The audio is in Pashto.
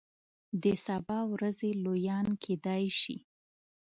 د سبا ورځې لویان کیدای شي.